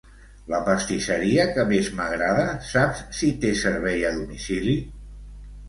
La pastisseria que més m'agrada, saps si té servei a domicili?